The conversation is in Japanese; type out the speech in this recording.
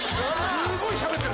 すごいしゃべってる。